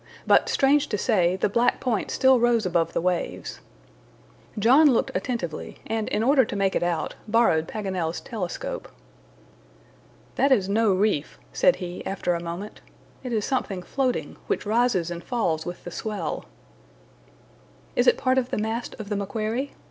But, strange to say, the black point still rose above the waves. John looked attentively, and in order to make it out, borrowed Paganel's telescope. "That is no reef," said he, after a moment; "it is something floating, which rises and falls with the swell." "Is it part of the mast of the MACQUARIE?"